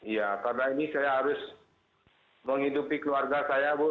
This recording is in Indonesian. ya karena ini saya harus menghidupi keluarga saya bu